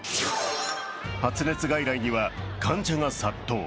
発熱外来には患者が殺到。